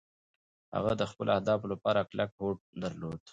هغه د خپلو اهدافو لپاره کلک هوډ درلود.